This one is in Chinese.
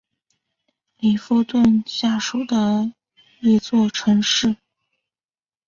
里弗顿下属的一座城市。